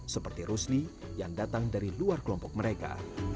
seperti rusli yang datang dari luar kelompok mereka